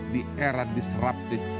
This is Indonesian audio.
di era disruptif